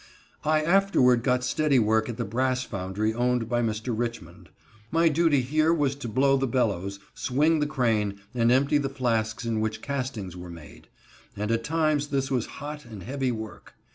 I afterward got steady work at the brass foundry owned by Mr. Richmond. My duty here was to blow the bellows, swing the crane, and empty the flasks in which castings were made; and at times this was hot and heavy work.